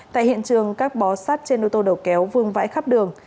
tại hiện trường các bó sát trên ô tô đầu kéo vương vãi khắp đường